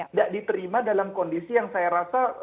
tidak diterima dalam kondisi yang saya rasa